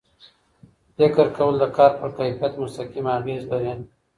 فکر کول د کار پر کیفیت مستقیم اغېز لري.